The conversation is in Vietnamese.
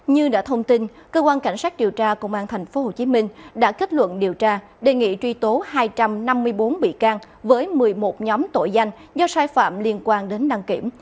như đã thông tin cơ quan cảnh sát điều tra công an tp hcm đã kết luận điều tra đề nghị truy tố hai trăm năm mươi bốn bị can với một mươi một nhóm tội danh do sai phạm liên quan đến đăng kiểm